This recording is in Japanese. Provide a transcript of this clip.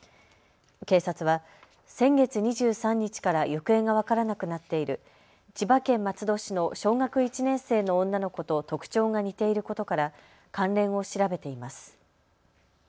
警察は先月２３日から行方が分からなくなっている千葉県松戸市の小学１年生の女の子と特徴が似ていることから関連を調べています。